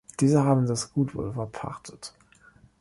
Diese haben das Gut wohl verpachtet.